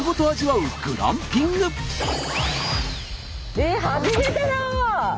えっ初めてだ！